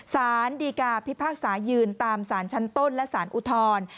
สารดีกาพิพากษายืนตามสารชั้นต้นและสารอุทธร